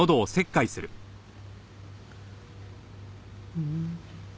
うん？